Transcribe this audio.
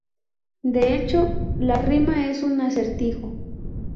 De hecho, la rima es un acertijo.